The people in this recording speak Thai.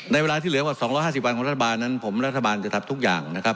ในเวลาที่เหลืออักษร๒๕๐วันของรัฐบาลผมเราก็จะทำทุกอย่างนะครับ